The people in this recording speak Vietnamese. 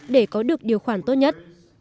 để có được điều khoản tốt nhất